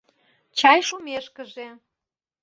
Чай шумешкыже